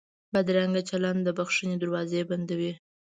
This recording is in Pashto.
بدرنګه چلند د بښنې دروازې بندوي